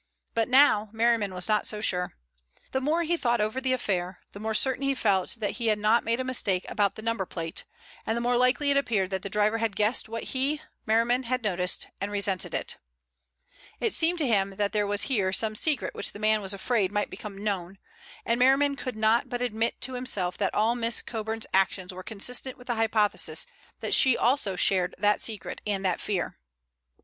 But now Merriman was not so sure. The more he thought over the affair, the more certain he felt that he had not made a mistake about the number plate, and the more likely it appeared that the driver had guessed what he, Merriman, had noticed, and resented it. It seemed to him that there was here some secret which the man was afraid might become known, and Merriman could not but admit to himself that all Miss Coburn's actions were consistent with the hypothesis that she also shared that secret and that fear.